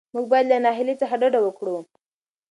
موږ باید له ناهیلۍ څخه ډډه وکړو.